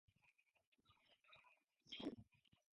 He even ordered the Jews to supply wine to the Christian slaves.